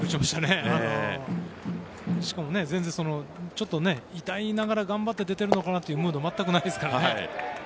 しかも全然、痛いながら頑張って出てるのかなというムードが全くないですからね。